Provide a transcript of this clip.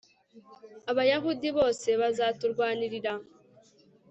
abayahudi bose bazaturwanirira